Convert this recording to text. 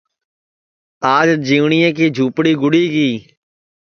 آج جیوٹؔیے کی جُھوپڑی گُڑی گی